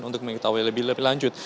untuk mengetahui lebih lanjut